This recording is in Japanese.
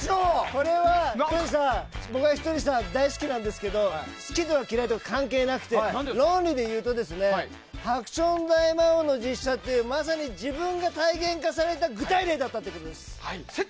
これは、僕はひとりさん大好きなんですけど好きとか嫌いとか関係なくて論理で言うと「ハクション大魔王」の実写ってまさに自分が体現化された具体例だったということです。